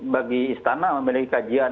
bagi istana memiliki kajian